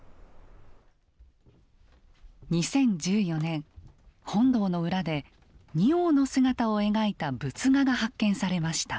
２０１４年本堂の裏で仁王の姿を描いた仏画が発見されました。